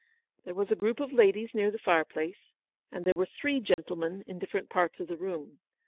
There was a group of ladies near the fireplace, and there were three gentlemen in different parts of the room.